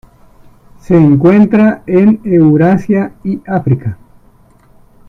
Se encuentra en Eurasia y África.